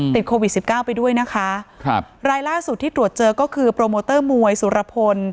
โควิดสิบเก้าไปด้วยนะคะครับรายล่าสุดที่ตรวจเจอก็คือโปรโมเตอร์มวยสุรพล